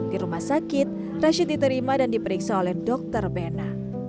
di rumah sakit rashid diterima dan diperiksa oleh dokter bena